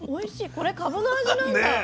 これかぶの味なんだ。